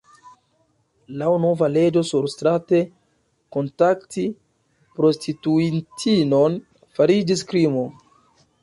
Laŭ nova leĝo surstrate kontakti prostituitinon fariĝis krimo.